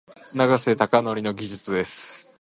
永瀬貴規の技術です。